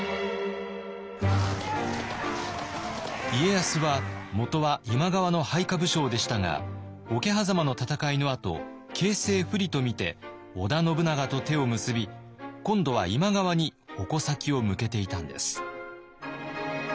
家康はもとは今川の配下武将でしたが桶狭間の戦いのあと形勢不利とみて織田信長と手を結び今度は今川に矛先を向けていたんです。